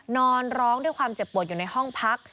นอนร้องด้วยความเจ็บปวดอยู่ในห้องพัก